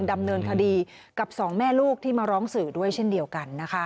ดำเนินคดีกับสองแม่ลูกที่มาร้องสื่อด้วยเช่นเดียวกันนะคะ